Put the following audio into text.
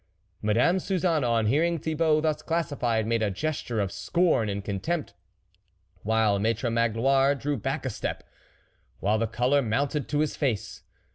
Madame Suzanne, on hearing Thibault thus classified, made a gesture of scorn and contempt, while Maitre Magloire drew back a step, while the colour mounted to his face.